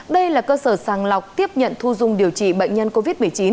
đây là cơ sở sàng lọc tiếp nhận thu dung điều trị bệnh nhân covid một mươi chín